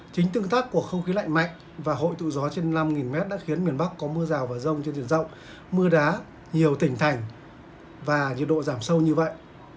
chính tương tác của không khí lạnh mạnh và hội tụ gió trên năm mét đã khiến miền bắc có mưa rào và rông trên diện rộng mưa đá nhiều tỉnh thành và nhiệt độ giảm sâu như vậy